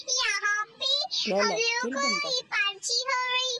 Ләлә, кил бында!